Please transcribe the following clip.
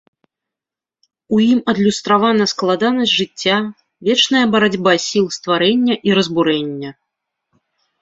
У ім адлюстравана складанасць жыцця, вечная барацьба сіл стварэння і разбурэння.